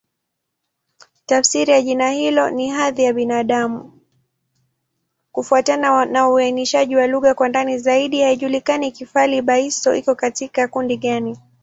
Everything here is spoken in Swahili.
Kufuatana na uainishaji wa lugha kwa ndani zaidi, haijulikani Kifali-Baissa iko katika kundi gani.